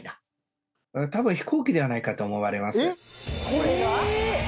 これが？